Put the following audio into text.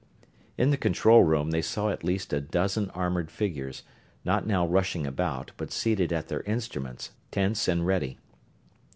In the control room they saw at least a dozen armored figures; not now rushing about, but seated at their instruments, tense and ready.